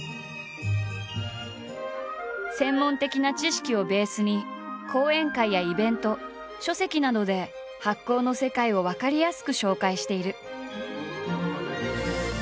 専門的な知識をベースに講演会やイベント書籍などで発酵の世界を分かりやすく紹介している。